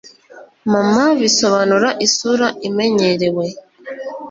mama bisobanura isura imenyerewe